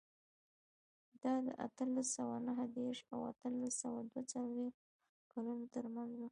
دا د اتلس سوه نهه دېرش او اتلس سوه دوه څلوېښت کلونو ترمنځ و.